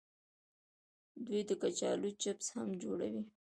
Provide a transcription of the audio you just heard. دوی د کچالو چپس هم جوړوي.